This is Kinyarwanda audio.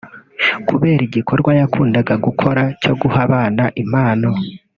Kubera igikorwa yakundaga gukora cyo guha abana impano